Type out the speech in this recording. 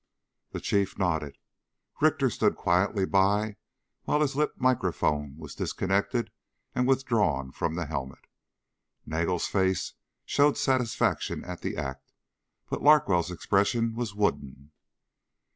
The Chief nodded. Richter stood quietly by while his lip microphone was disconnected and withdrawn from the helmet. Nagel's face showed satisfaction at the act, but Larkwell's expression was wooden.